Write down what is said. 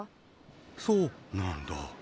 そうなんだ。